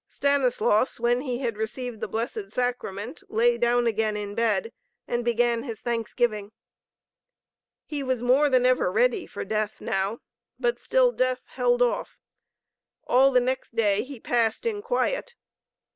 Stanislaus, when he had received the Blessed Sacrament, lay down again in bed and began his thanksgiving. He was more than ever ready for death now. But still death held off. All the next day he passed in quiet.